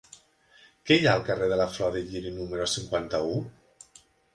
Què hi ha al carrer de la Flor de Lliri número cinquanta-u?